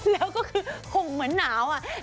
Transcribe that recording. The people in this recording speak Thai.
แล้วก็คือคงเหมือนหนาวอะ